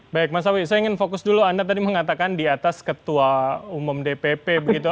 baik mas sawi saya ingin fokus dulu anda tadi mengatakan di atas ketua umum dpp begitu